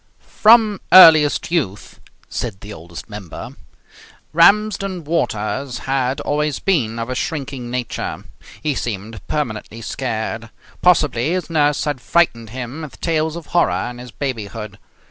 From earliest youth (said the Oldest Member) Ramsden Waters had always been of a shrinking nature. He seemed permanently scared. Possibly his nurse had frightened him with tales of horror in his babyhood.